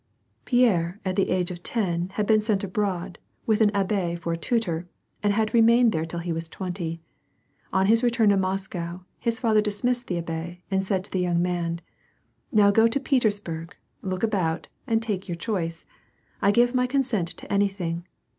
Pierre at the age of ten had been sent abroad, with an abbe for a tutor, and had remained there till he was twenty. On his return to Moscow, his father dismissed the abb6 and said to the young man, — "Now go to Petersburg, look about, and take your choice. I give my consent to anything.